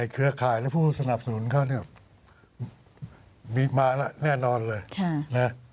เครือข่ายและผู้สนับสนุนเขามีมาแน่นอนเลย